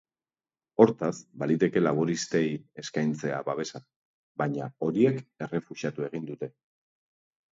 Hortaz, baliteke laboristei eskaintzea babesa, baina horiek errefusatu egin dute.